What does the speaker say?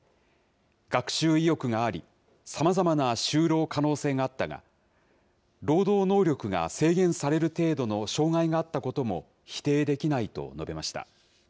学習意欲があり、さまざまな就労可能性があったが、労働能力が制限される程度の障害があったことも否定できないと述べました。